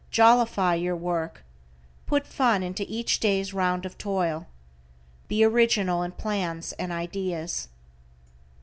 Jollify your work. Put fun into each day's round of toil. Be original in plans and ideas.